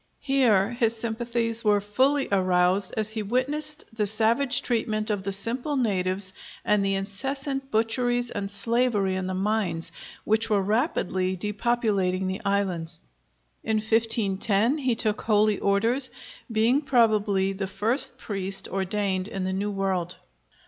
Here his sympathies were fully aroused, as he witnessed the savage treatment of the simple natives and the incessant butcheries and slavery in the mines, which were rapidly depopulating the islands. In 1510 he took holy orders, being probably the first priest ordained in the New World.